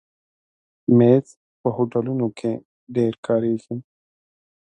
مېز په هوټلونو کې ډېر کارېږي.